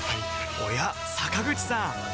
おや坂口さん